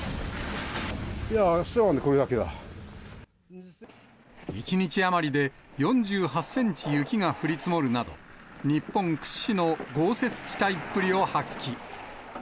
いや、１日余りで４８センチ雪が降り積もるなど、日本屈指の豪雪地帯っぷりを発揮。